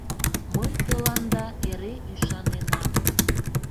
Мый тыланда эре ӱшаненам.